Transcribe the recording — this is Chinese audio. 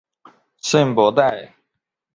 圣博代。